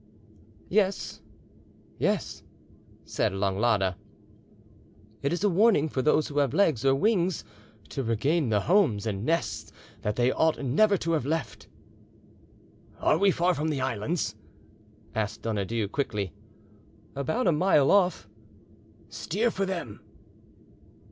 "Yes, yes," said Langlade, "it is a warning for those who have legs or wings to regain the homes and nests that they ought never to have left." "Are we far from the islands?" asked Donadieu quickly. "About a mile off." "Steer for them."